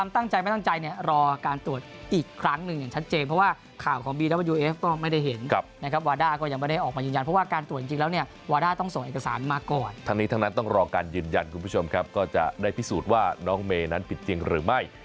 ทั้งนี้ทั้งนั้นต้องรอการยืนยันคุณผู้ชมครับก็จะได้พิสูจน์ว่าน้องเมย์นั้นผิดจริงหรือไม่